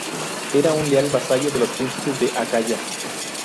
Era un leal vasallo de los príncipes de Acaya.